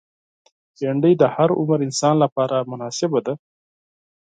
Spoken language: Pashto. بېنډۍ د هر عمر انسان لپاره مناسبه ده